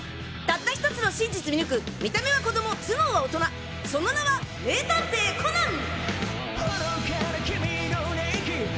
たった１つの真実見抜く見た目は子供頭脳は大人その名は名探偵コナン！